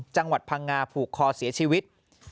จังหวัดพังงาผูกคอเสียชีวิต